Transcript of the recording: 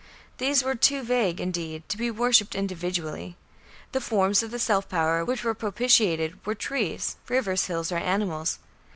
These were too vague, indeed, to be worshipped individually. The forms of the "self power" which were propitiated were trees, rivers, hills, or animals.